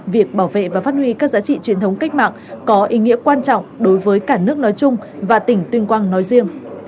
việc bảo vệ và phát huy các giá trị truyền thống cách mạng có ý nghĩa quan trọng đối với cả nước nói chung và tỉnh tuyên quang nói riêng